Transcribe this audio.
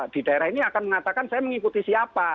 di daerah ini akan mengatakan saya mengikuti siapa